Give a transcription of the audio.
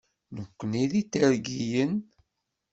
Nekni d Itergiyen.